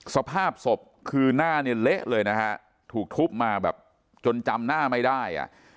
สภาพศพคือหน้าเละเลยถูกทุบมาจนจำหน้าไม่ได้